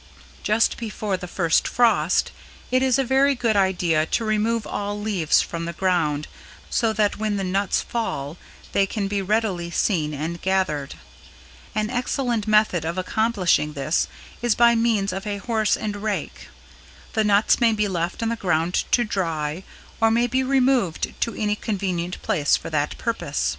Just before the first frost it is a very good idea to remove all leaves from the ground so that when the nuts fall they can be readily seen and gathered. An excellent method of accomplishing this is by means of a horse and rake. The nuts may be left on the ground to dry or may be removed to any convenient place for that purpose.